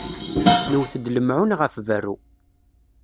Newwet-d lemɛun ɣef berru.